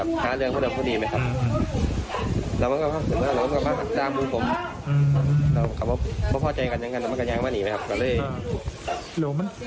เก่งกันอย่างกันแต่มันก็ยังมาหนีไหมครับก็เลย